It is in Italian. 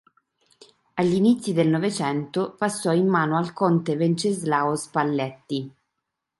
Agli inizi del Novecento passò in mano al conte Venceslao Spalletti.